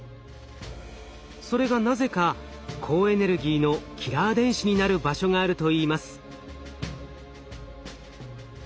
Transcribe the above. それがなぜか高エネルギーのキラー電子になる場所があるといいます。